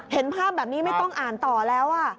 เห็นภาพแบบนี้ไม่ต้องอ่านต่อแล้ว